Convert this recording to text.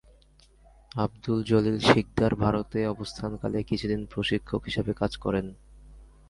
আবদুল জলিল শিকদার ভারতে অবস্থানকালে কিছুদিন প্রশিক্ষক হিসেবে কাজ করেন।